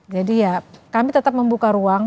jadi ya kami tetap membuka ruang